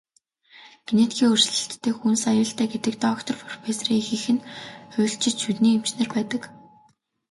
Генетикийн өөрчлөлттэй хүнс аюултай гэдэг доктор, профессорын ихэнх нь хуульчид, шүдний эмч нар байдаг.